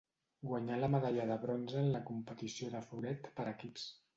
Guanyà la medalla de bronze en la competició de floret per equips.